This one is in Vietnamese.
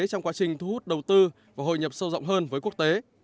trong quá trình thu hút đầu tư và hội nhập sâu rộng hơn với quốc tế